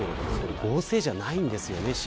合成じゃないんですよね。